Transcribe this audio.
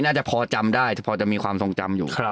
น่าจะพอจำได้พอจะมีความทรงจำอยู่